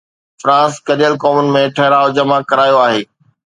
France گڏيل قومن ۾ ٺهراءُ جمع ڪرايو آهي.